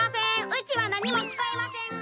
うちは何も聞こえません！